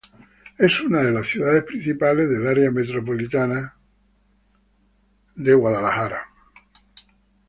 Es una de las ciudades principales del área metropolitana de Little Rock-North Little Rock-Conway.